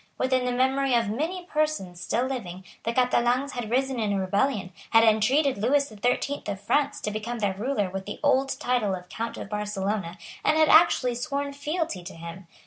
Within the memory of many persons still living the Catalans had risen in rebellion, had entreated Lewis the Thirteenth of France to become their ruler with the old title of Count of Barcelona, and had actually sworn fealty to him.